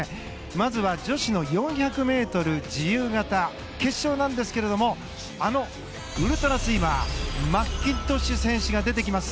まずは女子の４００ｍ自由形決勝なんですがあのウルトラスイマーマッキントッシュ選手が出てきます。